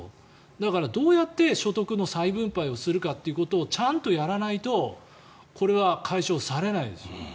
だから、どうやって所得の再分配をするかということをちゃんとやらないとこれは解消されないですよ。